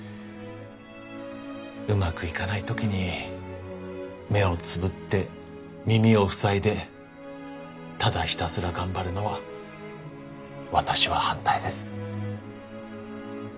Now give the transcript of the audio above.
うまくいかない時に目をつぶって耳を塞いでただひたすら頑張るのは私は反対です。